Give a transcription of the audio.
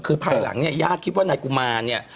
คือภายหลังเนี่ยญาติคิดว่านายกุมารเนี่ย